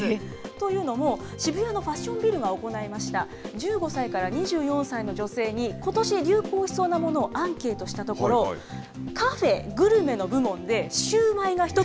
というのも、渋谷のファッションビルが行いました、１５歳から２４歳の女性に、ことし流行しそうなものをアンケートしたところ、カフェ・グルメの部門で、シュー本当ですか？